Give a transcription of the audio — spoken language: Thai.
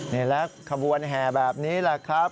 นี่แหละขบวนแห่แบบนี้แหละครับ